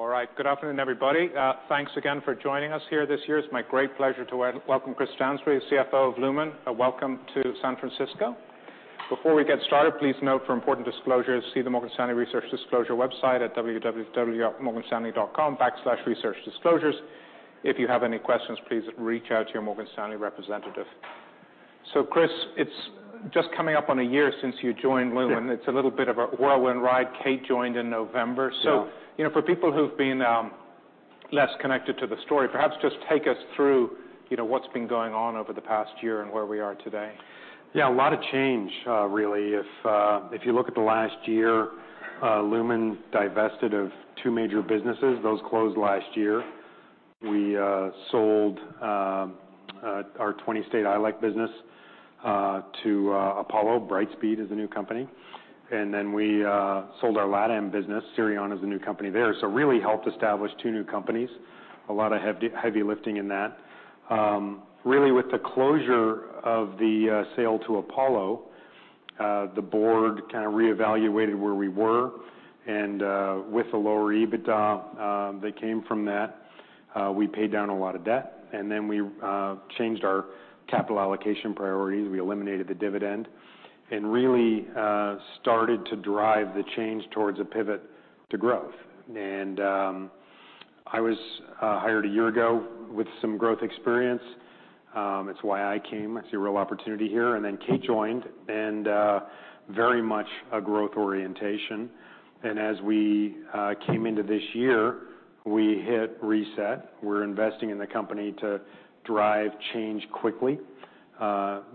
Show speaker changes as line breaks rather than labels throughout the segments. All right. Good afternoon, everybody. Thanks again for joining us here this year. It's my great pleasure to welcome Chris Stansbury, CFO of Lumen. Welcome to San Francisco. Before we get started, please note for important disclosures, see the Morgan Stanley Research Disclosure website at www.morganstanley.com/researchdisclosures. If you have any questions, please reach out to your Morgan Stanley representative. Chris, it's just coming up on a year since you joined Lumen. It's a little bit of a whirlwind ride. Kate joined in November. You know, for people who've been, less connected to the story, perhaps just take us through, you know, what's been going on over the past year and where we are today.
Yeah, a lot of change, really. If you look at the last year, Lumen divested of two major businesses. Those closed last year. We sold our 20-state ILEC business to Apollo. Brightspeed is the new company. Then we sold our LatAm business. Cirion is the new company there. Really helped establish two new companies. A lot of heavy lifting in that. Really with the closure of the sale to Apollo, the board kind of reevaluated where we were. With the lower EBITDA that came from that, we paid down a lot of debt, then we changed our capital allocation priorities. We eliminated the dividend and really started to drive the change towards a pivot to growth. I was hired a year ago with some growth experience. It's why I came. I see a real opportunity here. Kate joined, and very much a growth orientation. As we came into this year, we hit reset. We're investing in the company to drive change quickly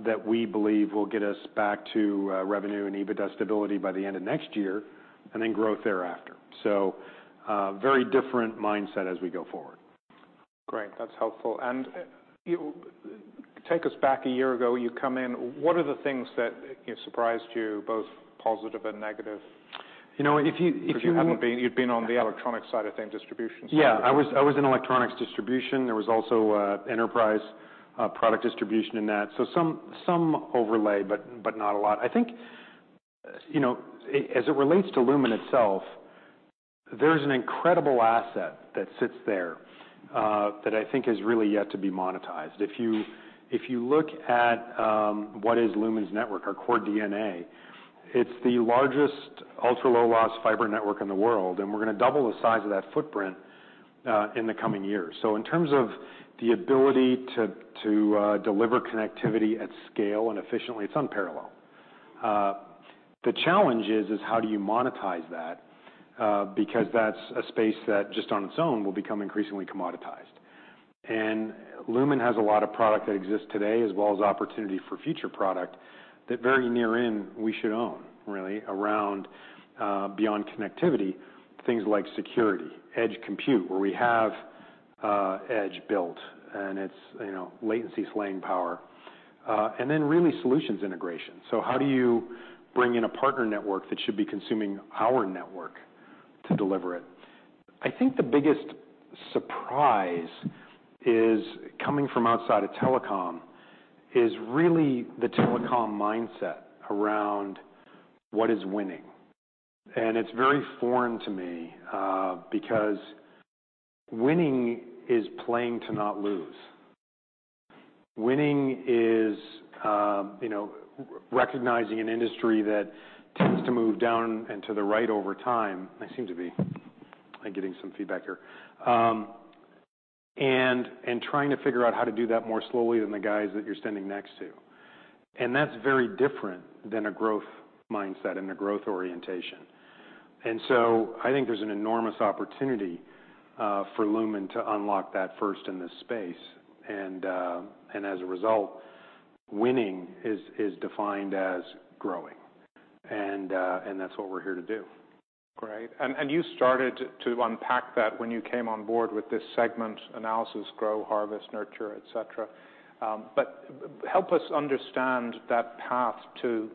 that we believe will get us back to revenue and EBITDA stability by the end of next year, and then growth thereafter. Very different mindset as we go forward.
Great. That's helpful. Take us back a year ago, you come in, what are the things that, you know, surprised you, both positive and negative? 'Cause you'd been on the electronic side of things, distribution side.
Yeah. I was in electronics distribution. There was also enterprise product distribution in that, so some overlay, but not a lot. I think, you know, as it relates to Lumen itself, there's an incredible asset that sits there that I think is really yet to be monetized. If you look at what is Lumen's network, our core DNA, it's the largest ultra-low-loss fiber network in the world, and we're gonna double the size of that footprint in the coming years. In terms of the ability to deliver connectivity at scale and efficiently, it's unparalleled. The challenge is how do you monetize that? That's a space that just on its own will become increasingly commoditized. Lumen has a lot of product that exists today, as well as opportunity for future product that very near in we should own really around beyond connectivity, things like security, edge computing, where we have edge built and it's, you know, latency-slaying power. Really solutions integration. How do you bring in a partner network that should be consuming our network to deliver it? I think the biggest surprise is coming from outside of telecom is really the telecom mindset around what is winning. It's very foreign to me because winning is playing to not lose. Winning is, you know, recognizing an industry that tends to move down and to the right over time. I seem to be, like, getting some feedback here. Trying to figure out how to do that more slowly than the guys that you're standing next to. That's very different than a growth mindset and a growth orientation. I think there's an enormous opportunity for Lumen to unlock that first in this space. As a result, winning is defined as growing. That's what we're here to do.
Great. You started to unpack that when you came on board with this segment analysis, grow, harvest, nurture, et cetera. Help us understand that path to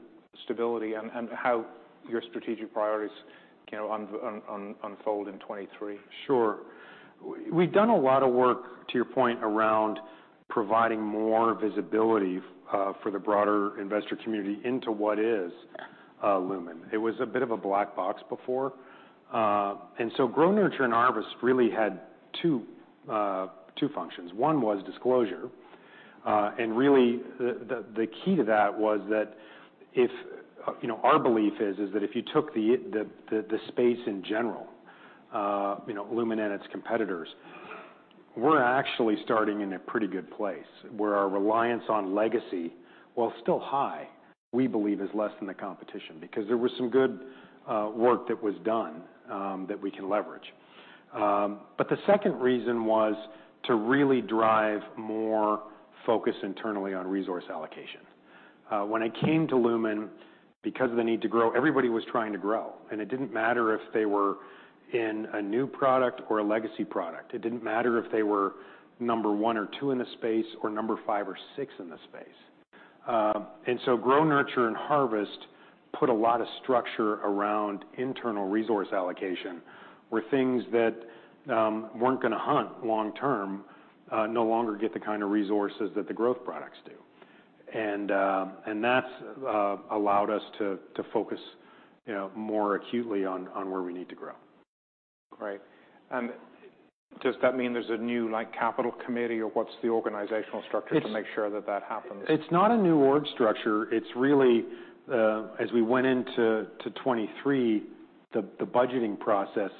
stability and how your strategic priorities, you know, unfold in 2023.
Sure. We've done a lot of work, to your point, around providing more visibility for the broader investor community into what is Lumen. It was a bit of a black box before. Grow, nurture, and harvest really had two functions. One was disclosure. Really the key to that was that you know, our belief is that if you took the space in general, you know, Lumen and its competitors, we're actually starting in a pretty good place, where our reliance on legacy, while still high, we believe is less than the competition, because there was some good work that was done that we can leverage. The second reason was to really drive more focus internally on resource allocation. When I came to Lumen, because of the need to grow, everybody was trying to grow, and it didn't matter if they were in a new product or a legacy product. It didn't matter if they were number one or two in the space or number five or six in the space. Grow, nurture, and harvest put a lot of structure around internal resource allocation, where things that weren't gonna hunt long term, no longer get the kind of resources that the growth products do. That's allowed us to focus, you know, more acutely on where we need to grow.
Great. Does that mean there's a new, like, capital committee or what's the organizational structure to make sure that that happens?
It's not a new org structure. It's really, as we went into to 2023, the budgeting process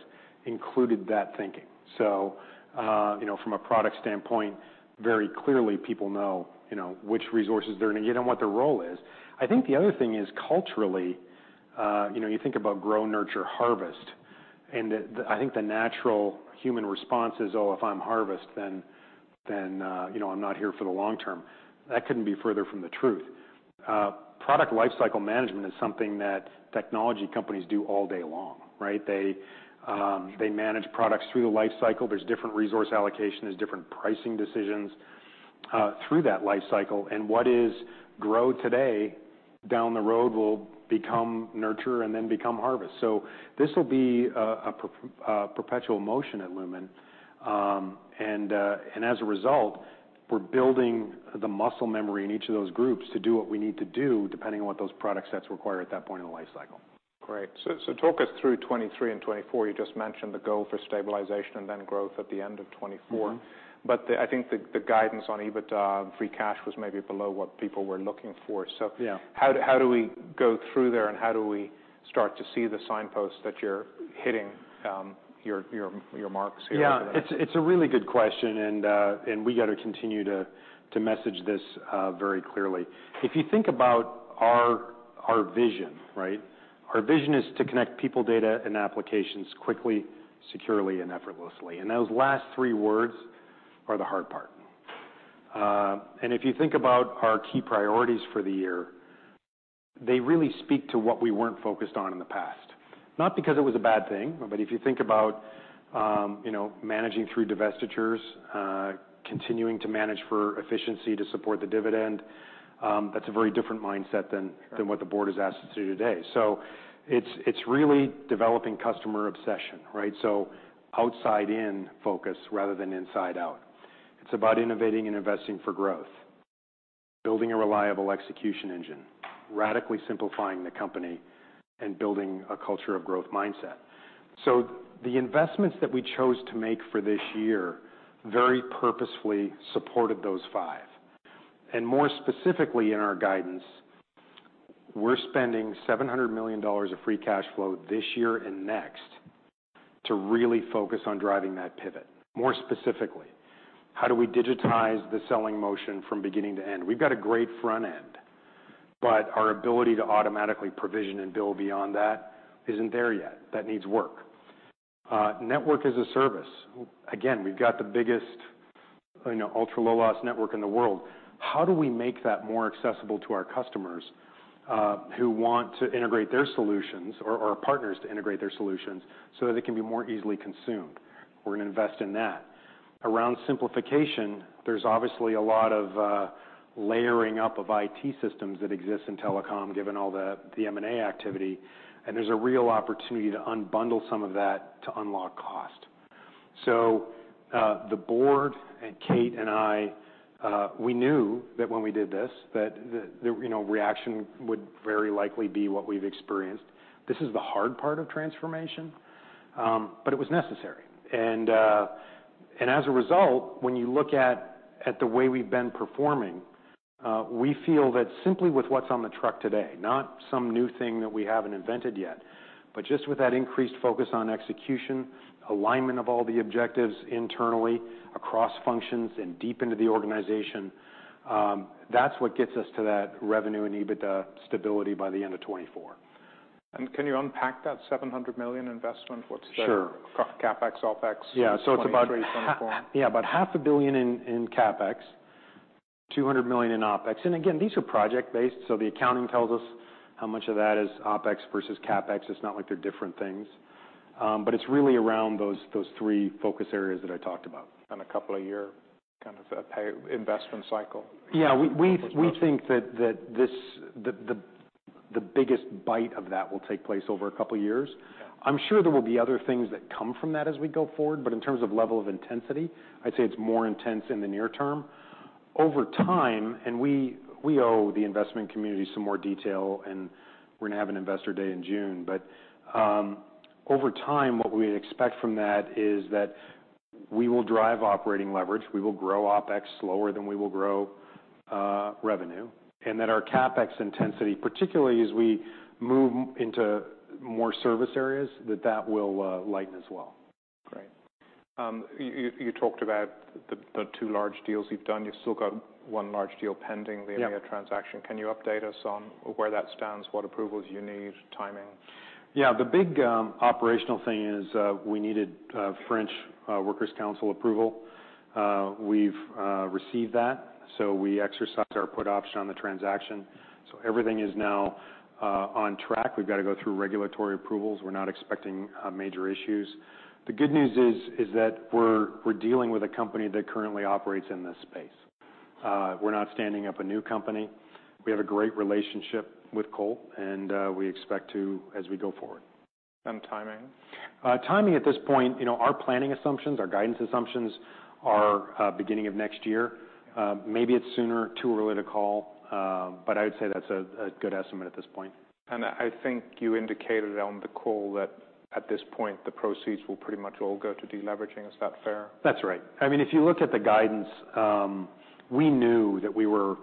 included that thinking. you know, from a product standpoint, very clearly people know, you know, which resources they're gonna get and what their role is. I think the other thing is culturally, you know, you think about grow, nurture, harvest, I think the natural human response is, "Oh, if I'm harvest, then, you know, I'm not here for the long term." That couldn't be further from the truth. Product lifecycle management is something that technology companies do all day long, right? They manage products through the lifecycle. There's different resource allocation. There's different pricing decisions, through that lifecycle. What is grow today, down the road, will become nurture and then become harvest. This will be a perpetual motion at Lumen. As a result, we're building the muscle memory in each of those groups to do what we need to do, depending on what those product sets require at that point in the lifecycle.
Great. Talk us through 2023 and 2024. You just mentioned the goal for stabilization and then growth at the end of 2024. I think the guidance on EBITDA and free cash was maybe below what people were looking for. How do we go through there, and how do we start to see the signposts that you're hitting, your marks here?
Yeah. It's a really good question, and we gotta continue to message this very clearly. If you think about our vision, right? Our vision is to connect people, data, and applications quickly, securely, and effortlessly. Those last three words are the hard part. If you think about our key priorities for the year, they really speak to what we weren't focused on in the past, not because it was a bad thing. If you think about, you know, managing through divestitures, continuing to manage for efficiency to support the dividend, that's a very different mindset than what the board has asked us to do today. It's really developing customer obsession, right? Outside in focus rather than inside out. It's about innovating and investing for growth, building a reliable execution engine, radically simplifying the company, and building a culture of growth mindset. The investments that we chose to make for this year very purposefully supported those five. More specifically in our guidance, we're spending $700 million of free cash flow this year and next to really focus on driving that pivot. More specifically, how do we digitize the selling motion from beginning to end? We've got a great front end, but our ability to automatically provision and bill beyond that isn't there yet. That needs work. Network-as-a-Service. Again, we've got the biggest, you know, ultra-low-loss network in the world. How do we make that more accessible to our customers, who want to integrate their solutions or our partners to integrate their solutions so that they can be more easily consumed? We're gonna invest in that. Around simplification, there's obviously a lot of layering up of IT systems that exist in telecom, given all the M&A activity, and there's a real opportunity to unbundle some of that to unlock cost. The board and Kate and I, we knew that when we did this that the, you know, reaction would very likely be what we've experienced. This is the hard part of transformation, but it was necessary. As a result, when you look at the way we've been performing, we feel that simply with what's on the truck today, not some new thing that we haven't invented yet, but just with that increased focus on execution, alignment of all the objectives internally across functions and deep into the organization, that's what gets us to that revenue and EBITDA stability by the end of 2024.
Can you unpack that $700 million investment CapEx, OpEx, in 2023, 2024?
Yeah. About $500 million in CapEx, $200 million in OpEx. Again, these are project-based, so the accounting tells us how much of that is OpEx versus CapEx. It's not like they're different things. It's really around those three focus areas that I talked about.
A couple of year kind of, investment cycle?
Yeah. We think that the biggest bite of that will take place over a couple of years. I'm sure there will be other things that come from that as we go forward, but in terms of level of intensity, I'd say it's more intense in the near term. Over time, and we owe the investment community some more detail, and we're gonna have an investor day in June. Over time, what we'd expect from that is that we will drive operating leverage. We will grow OpEx slower than we will grow revenue. That our CapEx intensity, particularly as we move into more service areas, that will lighten as well.
Great. You talked about the two large deals you've done. You've still got one large deal pending. The EMEA transaction. Can you update us on where that stands, what approvals you need, timing?
Yeah. The big operational thing is we needed French workers' council approval. We've received that. We exercised our put option on the transaction. Everything is now on track. We've gotta go through regulatory approvals. We're not expecting major issues. The good news is that we're dealing with a company that currently operates in this space. We're not standing up a new company. We have a great relationship with Colt. We expect to as we go forward.
And timing?
Timing at this point, you know, our planning assumptions, our guidance assumptions are beginning of next year. Maybe it's sooner. Too early to call. I would say that's a good estimate at this point.
I think you indicated on the call that at this point, the proceeds will pretty much all go to deleveraging. Is that fair?
That's right. I mean, if you look at the guidance, we knew that we were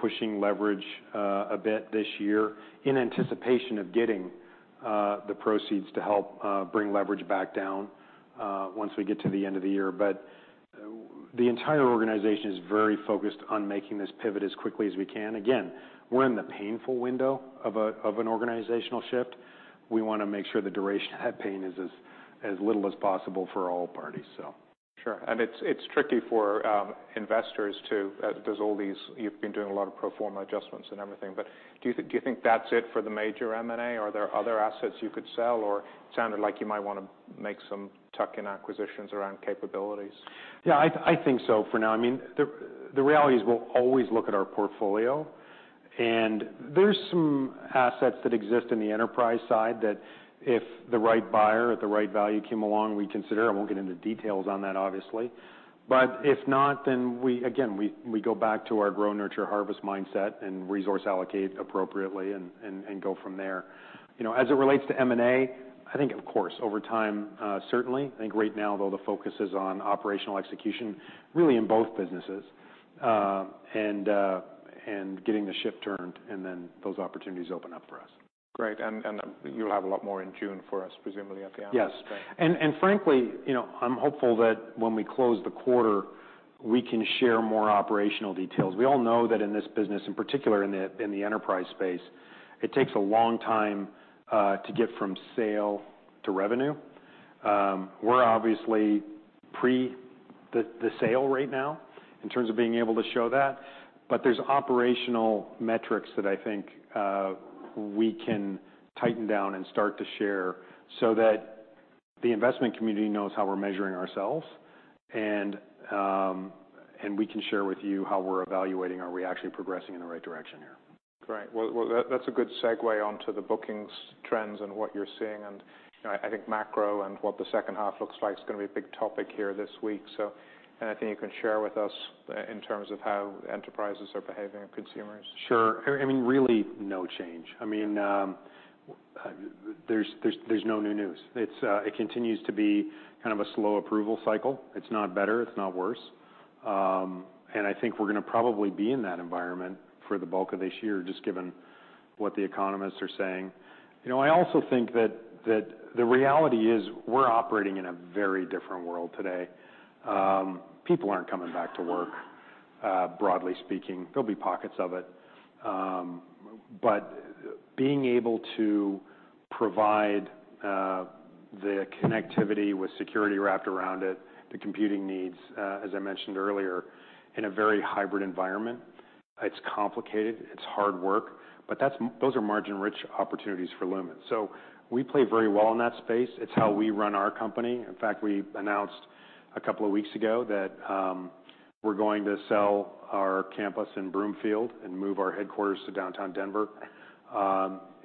pushing leverage a bit this year in anticipation of getting the proceeds to help bring leverage back down once we get to the end of the year. The entire organization is very focused on making this pivot as quickly as we can. Again, we're in the painful window of an organizational shift. We wanna make sure the duration of that pain is as little as possible for all parties.
Sure. It's, it's tricky for investors too, as you've been doing a lot of pro forma adjustments and everything, but do you think that's it for the major M&A? Are there other assets you could sell? It sounded like you might want to make some tuck-in acquisitions around capabilities.
Yeah, I think so for now. I mean, the reality is we'll always look at our portfolio. There's some assets that exist in the enterprise side that if the right buyer at the right value came along, we'd consider. I won't get into details on that, obviously. If not, then we, again, we go back to our grow, nurture, and harvest mindset and resource allocate appropriately and go from there. You know, as it relates to M&A, I think of course, over time, certainly. I think right now though, the focus is on operational execution really in both businesses, and getting the ship turned, then those opportunities open up for us.
Great. You'll have a lot more in June for us, presumably at the end?
Yes.
Okay.
Frankly, you know, I'm hopeful that when we close the quarter, we can share more operational details. We all know that in this business, in particular in the enterprise space, it takes a long time to get from sale to revenue. We're obviously pre the sale right now in terms of being able to show that, but there's operational metrics that I think we can tighten down and start to share so that the investment community knows how we're measuring ourselves and we can share with you how we're evaluating, are we actually progressing in the right direction here.
Great. Well, that's a good segue onto the bookings trends and what you're seeing and, you know, I think macro and what the second half looks like is gonna be a big topic here this week. Anything you can share with us in terms of how enterprises are behaving and consumers?
Sure. I mean, really no change. I mean, there's no new news. It continues to be kind of a slow approval cycle. It's not better, it's not worse. I think we're gonna probably be in that environment for the bulk of this year just given what the economists are saying. You know, I also think that the reality is we're operating in a very different world today. People aren't coming back to work, broadly speaking. There'll be pockets of it. Being able to provide the connectivity with security wrapped around it, the computing needs, as I mentioned earlier, in a very hybrid environment, it's complicated. It's hard work, but those are margin-rich opportunities for Lumen. We play very well in that space. It's how we run our company. In fact, we announced a couple of weeks ago that, we're going to sell our campus in Broomfield and move our headquarters to downtown Denver.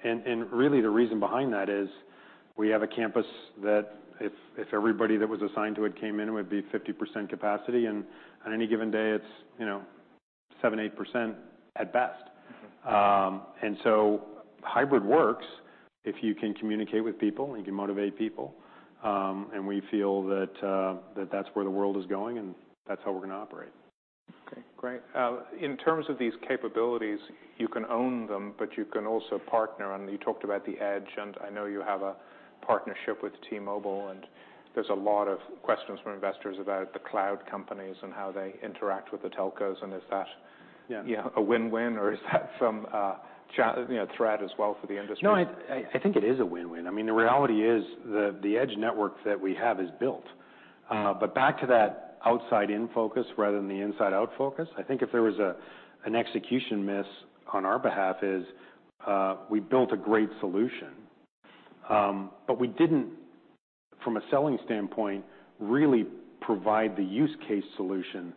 Really the reason behind that is we have a campus that if everybody that was assigned to it came in, it would be 50% capacity, and on any given day, it's, you know, 7%, 8% at best. Hybrid works if you can communicate with people and can motivate people. We feel that that's where the world is going, and that's how we're gonna operate.
Okay, great. In terms of these capabilities, you can own them, but you can also partner. You talked about the Edge, and I know you have a partnership with T-Mobile, and there's a lot of questions from investors about the cloud companies and how they interact with the telcos. Is that a win-win or is that some, you know, threat as well for the industry?
No, I think it is a win-win. I mean, the reality is the edge network that we have is built. But back to that outside in focus rather than the inside out focus, I think if there was an execution miss on our behalf is, we built a great solution, but we didn't, from a selling standpoint, really provide the use case solution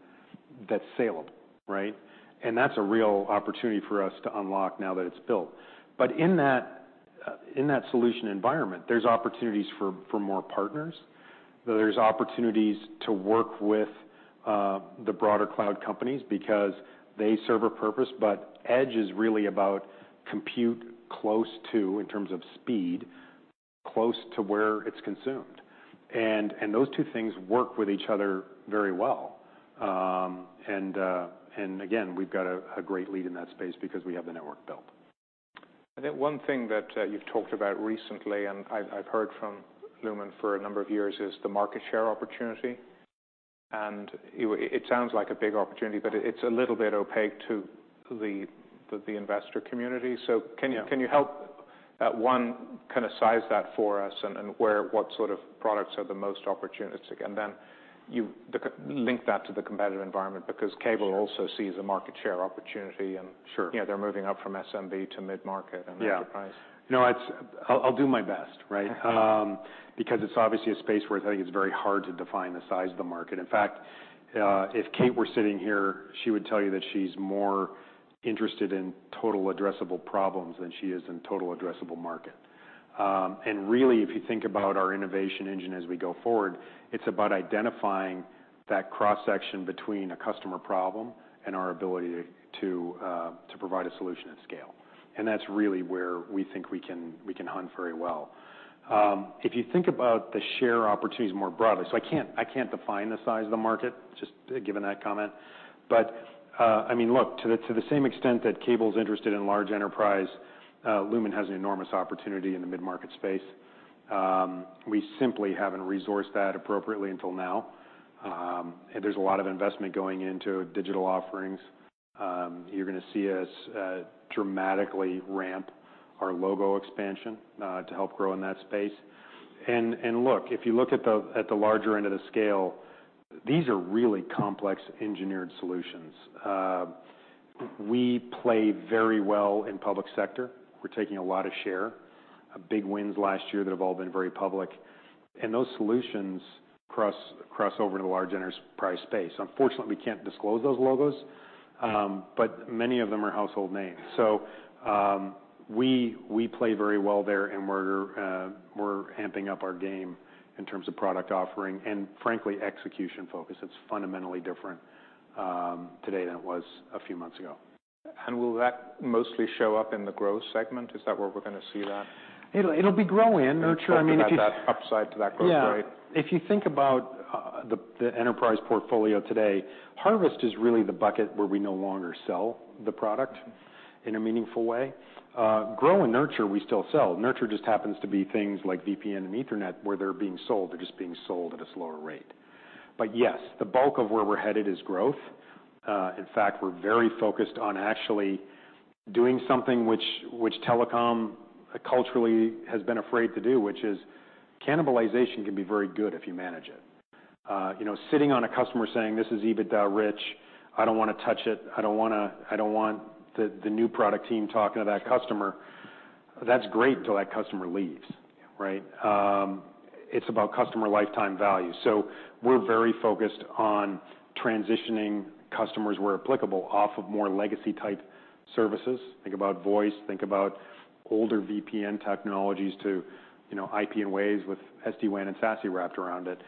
that's saleable, right? That's a real opportunity for us to unlock now that it's built. In that, in that solution environment, there's opportunities for more partners, there's opportunities to work with the broader cloud companies because they serve a purpose, but edge is really about compute close to, in terms of speed, close to where it's consumed. Those two things work with each other very well. Again, we've got a great lead in that space because we have the network built.
I think one thing that, you've talked about recently, and I've heard from Lumen for a number of years, is the market share opportunity. It sounds like a big opportunity, but it's a little bit opaque to the investor community. Can you, can you help, one, kind of size that for us and what sort of products are the most opportunistic? Then link that to the competitive environment because cable also sees a market share opportunity. You know, they're moving up from SMB to mid-market and enterprise.
Yeah. No, I'll do my best, right? Because it's obviously a space where I think it's very hard to define the size of the market. In fact, if Kate were sitting here, she would tell you that she's more interested in total addressable problems than she is in total addressable market. Really, if you think about our innovation engine as we go forward, it's about identifying that cross-section between a customer problem and our ability to provide a solution at scale. That's really where we think we can hunt very well. If you think about the share opportunities more broadly, I can't define the size of the market, just given that comment. I mean, look, to the, to the same extent that cable's interested in large enterprise, Lumen has an enormous opportunity in the mid-market space. We simply haven't resourced that appropriately until now. There's a lot of investment going into digital offerings. You're gonna see us dramatically ramp our logo expansion to help grow in that space. Look, if you look at the, at the larger end of the scale, these are really complex engineered solutions. We play very well in public sector. We're taking a lot of share. Big wins last year that have all been very public. Those solutions cross over to the large enterprise space. Unfortunately, we can't disclose those logos, but many of them are household names. We play very well there, and we're amping up our game in terms of product offering and frankly, execution focus. It's fundamentally different today than it was a few months ago.
Will that mostly show up in the growth segment? Is that where we're gonna see that?
It'll be Grow and Nurture. I mean—
Upside to that growth rate?
Yeah. If you think about the enterprise portfolio today, Harvest is really the bucket where we no longer sell the product in a meaningful way. Grow and Nurture, we still sell. Nurture just happens to be things like VPN and Ethernet, where they're being sold. They're just being sold at a slower rate. Yes, the bulk of where we're headed is growth. In fact, we're very focused on actually doing something which telecom culturally has been afraid to do, which is cannibalization can be very good if you manage it. You know, sitting on a customer saying, "This is EBITDA rich. I don't want to touch it. I don't want the new product team talking to that customer." That's great till that customer leaves, right? It's about customer lifetime value. We're very focused on transitioning customers where applicable off of more legacy-type services. Think about voice, think about older VPN technologies to, you know, IP in ways with SD-WAN and SASE wrapped around it.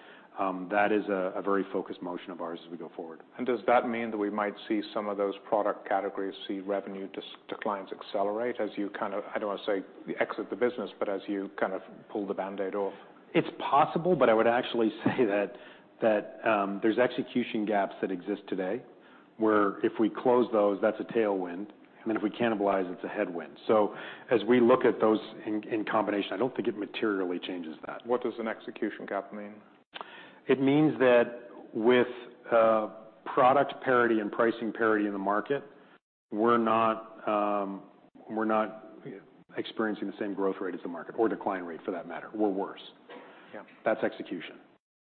That is a very focused motion of ours as we go forward.
Does that mean that we might see some of those product categories see revenue declines accelerate as you kind of, I don't wanna say exit the business, but as you kind of pull the band-aid off?
It's possible, but I would actually say that, there's execution gaps that exist today, where if we close those, that's a tailwind. If we cannibalize, it's a headwind. As we look at those in combination, I don't think it materially changes that.
What does an execution gap mean?
It means that with product parity and pricing parity in the market, we're not, we're not experiencing the same growth rate as the market or decline rate for that matter. We're worse.
Yeah.
That's execution.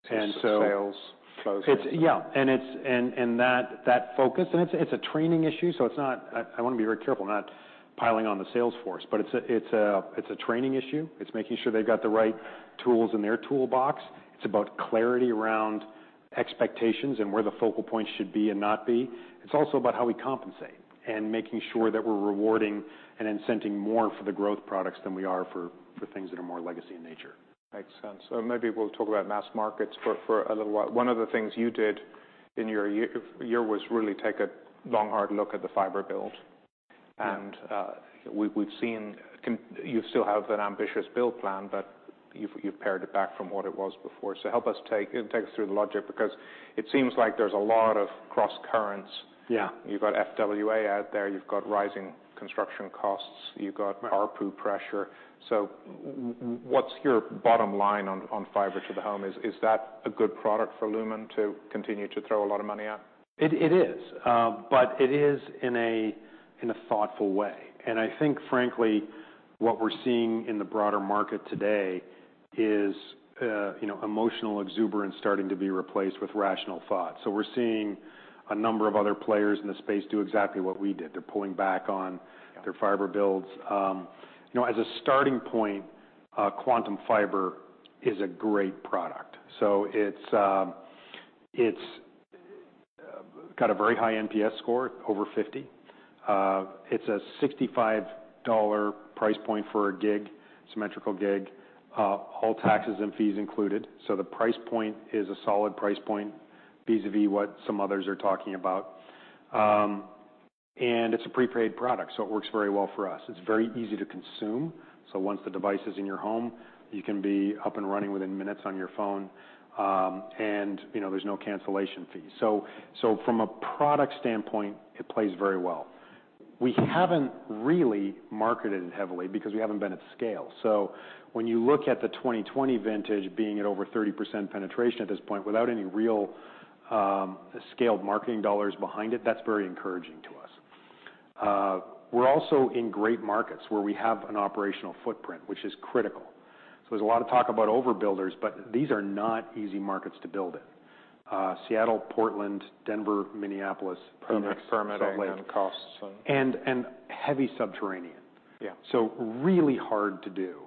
Sales folks.
It's. Yeah. It's, and that focus. It's a training issue, so I wanna be very careful not piling on the sales force, but it's a training issue. It's making sure they've got the right tools in their toolbox. It's about clarity around expectations and where the focal points should be and not be. It's also about how we compensate and making sure that we're rewarding and incenting more for the growth products than we are for things that are more legacy in nature.
Makes sense. Maybe we'll talk about mass markets for a little while. One of the things you did in your year was really take a long, hard look at the fiber build. You still have an ambitious build plan, but you've pared it back from what it was before. Help us take us through the logic because it seems like there's a lot of crosscurrents. You've got FWA out there, you've got rising construction costs. You've got ARPU pressure. What's your bottom line on fiber to the home? Is that a good product for Lumen to continue to throw a lot of money at?
It is. It is in a thoughtful way. I think, frankly, what we're seeing in the broader market today is, you know, emotional exuberance starting to be replaced with rational thought. We're seeing a number of other players in the space do exactly what we did. They're pulling back on their fiber builds. You know, as a starting point, Quantum Fiber is a great product. It's got a very high NPS score, over 50. It's a $65 price point for a gig, symmetrical gig, all taxes and fees included. The price point is a solid price point vis-à-vis what some others are talking about. It's a prepaid product, so it works very well for us. It's very easy to consume. Once the device is in your home, you can be up and running within minutes on your phone. You know, there's no cancellation fee. From a product standpoint, it plays very well. We haven't really marketed it heavily because we haven't been at scale. When you look at the 2020 vintage being at over 30% penetration at this point without any real scaled marketing dollars behind it, that's very encouraging to us. We're also in great markets where we have an operational footprint, which is critical. There's a lot of talk about overbuilders, but these are not easy markets to build in. Seattle, Portland, Denver, Minneapolis, Phoenix, Salt Lake—
Permitting and costs.
And heavy subterranean. Really hard to do.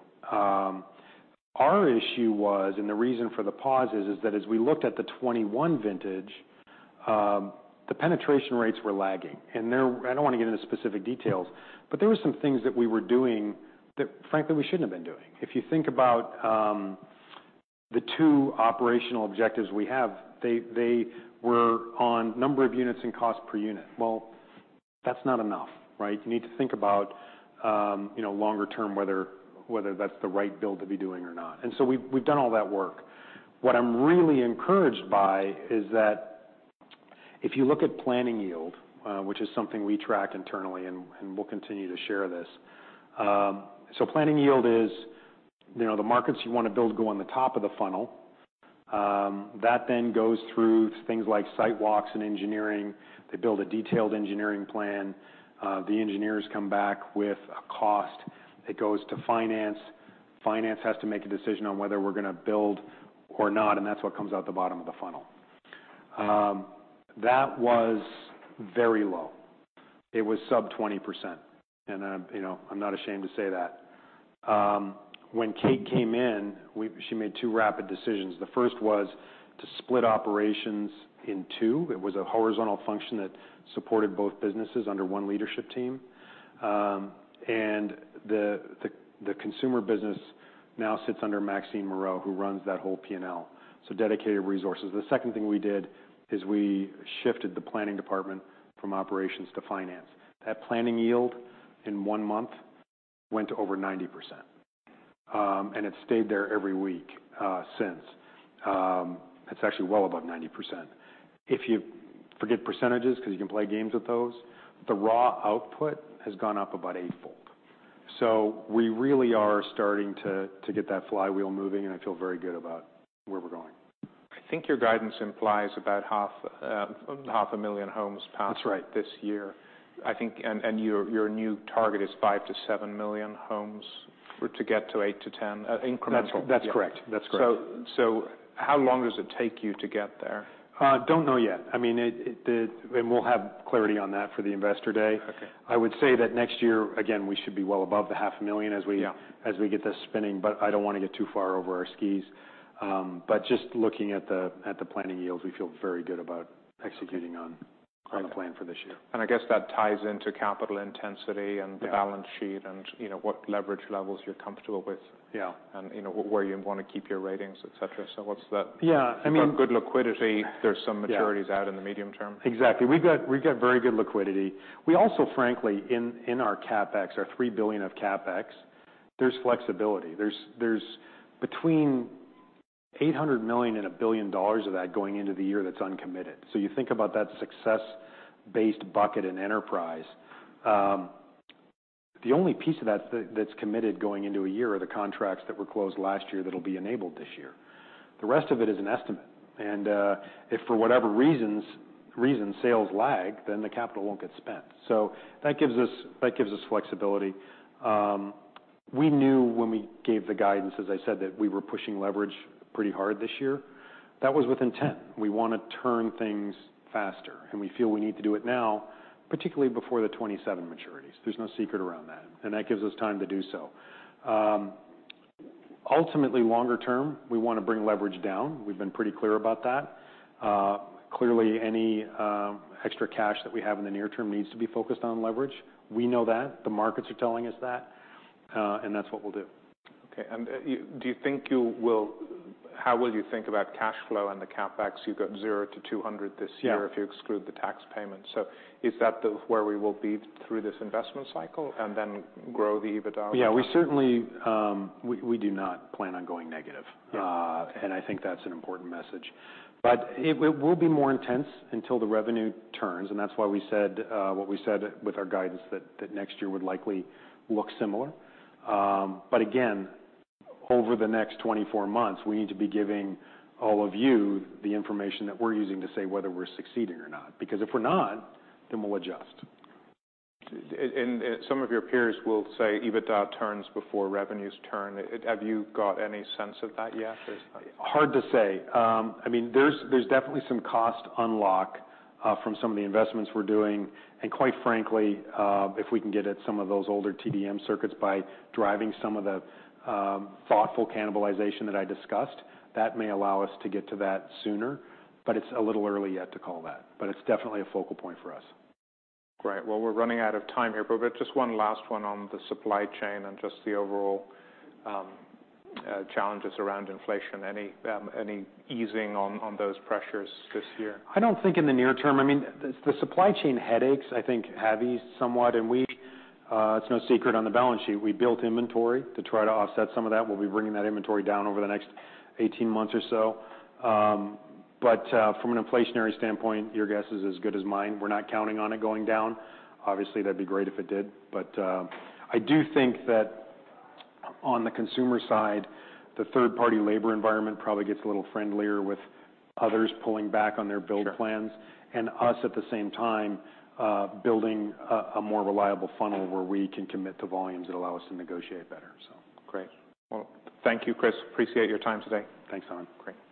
Our issue was, and the reason for the pause is that as we looked at the 2021 vintage, the penetration rates were lagging. There... I don't want to get into specific details, but there were some things that we were doing that frankly, we shouldn't have been doing. If you think about, the two operational objectives we have, they were on number of units and cost per unit. That's not enough, right? You need to think about, you know, longer term whether that's the right build to be doing or not. We've done all that work. What I'm really encouraged by is that if you look at planning yield, which is something we track internally and we'll continue to share this. Planning yield is, you know, the markets you want to build go on the top of the funnel. That then goes through things like site walks and engineering. They build a detailed engineering plan. The engineers come back with a cost. It goes to finance. Finance has to make a decision on whether we're gonna build or not, and that's what comes out the bottom of the funnel. That was very low. It was sub 20%. You know, I'm not ashamed to say that. When Kate came in, she made two rapid decisions. The first was to split operations in two. It was a horizontal function that supported both businesses under one leadership team. The consumer business now sits under Maxine Moreau, who runs that whole P&L. Dedicated resources. The second thing we did is we shifted the planning department from operations to finance. That planning yield in one month went to over 90%, and it stayed there every week since. It's actually well above 90%. If you forget percentages, 'cause you can play games with those, the raw output has gone up about eightfold. We really are starting to get that flywheel moving, and I feel very good about where we're going.
I think your guidance implies about 500,000 homes passed this year, I think. Your new target is 5 million-7 million homes to get to 8-10 incremental.
That's correct. That's correct.
How long does it take you to get there?
Don't know yet. I mean, we'll have clarity on that for the investor day. I would say that next year, again, we should be well above the 500,000 as we get this spinning, but I don't wanna get too far over our skis. Just looking at the, at the planning yields, we feel very good about executing on, on the plan for this year.
I guess that ties into capital intensity, the balance sheet and, you know, what leverage levels you're comfortable with. You know, where you wanna keep your ratings, et cetera. What's that? You've got good liquidity. There's some maturities out in the medium term.
Exactly. We've got very good liquidity. We also, frankly, in our CapEx, our $3 billion of CapEx, there's flexibility. There's between $800 million and $1 billion of that going into the year that's uncommitted. You think about that success-based bucket and enterprise, the only piece of that that's committed going into a year are the contracts that were closed last year that'll be enabled this year. The rest of it is an estimate. If for whatever reasons sales lag, then the capital won't get spent. That gives us flexibility. We knew when we gave the guidance, as I said, that we were pushing leverage pretty hard this year. That was with intent. We wanna turn things faster, we feel we need to do it now, particularly before the 2027 maturities. There's no secret around that. That gives us time to do so. Ultimately, longer term, we wanna bring leverage down. We've been pretty clear about that. Clearly, any extra cash that we have in the near term needs to be focused on leverage. We know that. The markets are telling us that. That's what we'll do.
Okay. How will you think about cash flow and the CapEx? You've got $0-$200 this year if you exclude the tax payment. Is that where we will be through this investment cycle and then grow the EBITDA?
Yeah. We certainly do not plan on going negative. I think that's an important message. It will be more intense until the revenue turns, and that's why we said what we said with our guidance that next year would likely look similar. Again, over the next 24 months, we need to be giving all of you the information that we're using to say whether we're succeeding or not. If we're not, then we'll adjust.
Some of your peers will say EBITDA turns before revenues turn. Have you got any sense of that yet?
Hard to say. I mean, there's definitely some cost unlock from some of the investments we're doing. Quite frankly, if we can get at some of those older TDM circuits by driving some of the thoughtful cannibalization that I discussed, that may allow us to get to that sooner. It's a little early yet to call that, but it's definitely a focal point for us.
Great. Well, we're running out of time here. Just one last one on the supply chain and just the overall challenges around inflation. Any easing on those pressures this year?
I don't think in the near term. I mean, the supply chain headaches, I think, have eased somewhat. We, it's no secret on the balance sheet, we built inventory to try to offset some of that. We'll be bringing that inventory down over the next 18 months or so. From an inflationary standpoint, your guess is as good as mine. We're not counting on it going down. Obviously, that'd be great if it did. I do think that on the consumer side, the third-party labor environment probably gets a little friendlier with others pulling back on their build plans. Sure. Us, at the same time, building a more reliable funnel where we can commit to volumes that allow us to negotiate better.
Great. Well, thank you, Chris. Appreciate your time today.
Thanks, Alan.
Great.